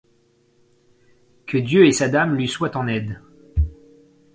Que Dieu et sa dame lui soient en aide !